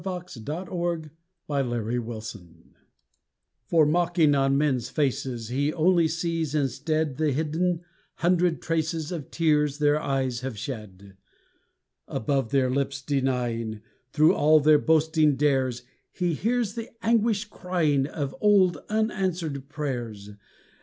THE SEER OF HEARTS For mocking on men's faces He only sees instead The hidden, hundred traces Of tears their eyes have shed. Above their lips denying, Through all their boasting dares, He hears the anguished crying Of old unanswered prayers.